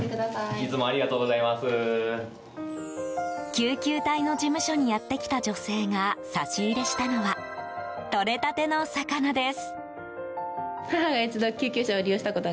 救急隊の事務所にやってきた女性が差し入れしたのはとれたての魚です。